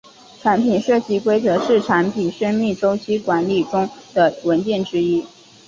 产品设计规格是产品生命周期管理中的文件之一。